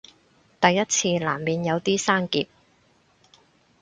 第一次難免有啲生澀